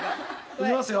いきますよ。